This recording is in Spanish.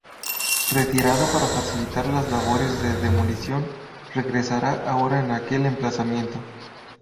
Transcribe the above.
Retirado para facilitar las labores de demolición, regresará ahora a aquel emplazamiento.